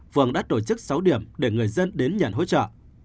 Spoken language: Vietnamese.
phường đã tổ chức sáu điểm để người dân đến nhận hỗ trợ